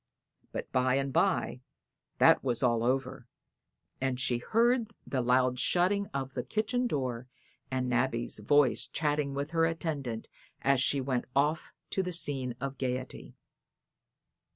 But by and by that was all over, and she heard the loud shutting of the kitchen door and Nabby's voice chatting with her attendant as she went off to the scene of gaiety.